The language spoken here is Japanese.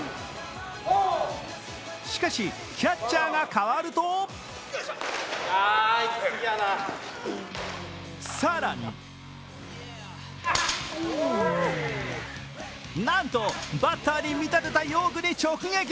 しかし、キャッチャーが変わると更になんとバッターに見立てた用具に直撃。